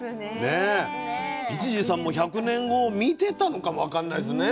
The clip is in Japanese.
市次さんも１００年後見てたのかもわかんないですね